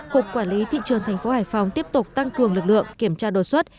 cục quản lý thị trường tp hải phòng tiếp tục tăng cường lực lượng kiểm tra đồ xuất